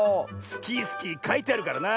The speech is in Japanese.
「スキースキー」かいてあるからな。